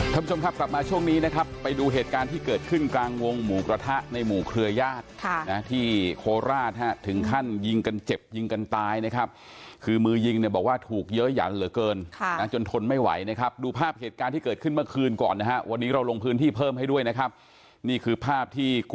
ท่านผู้ชมครับกลับมาช่วงนี้นะครับไปดูเหตุการณ์ที่เกิดขึ้นกลางวงหมูกระทะในหมู่เครือญาติค่ะนะที่โคราชฮะถึงขั้นยิงกันเจ็บยิงกันตายนะครับคือมือยิงเนี่ยบอกว่าถูกเยอะหยันเหลือเกินค่ะนะจนทนไม่ไหวนะครับดูภาพเหตุการณ์ที่เกิดขึ้นเมื่อคืนก่อนนะฮะวันนี้เราลงพื้นที่เพิ่มให้ด้วยนะครับนี่คือภาพที่ก